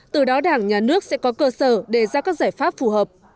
từ đó đảng nhà nước sẽ có cơ sở để ra các giải pháp phù hợp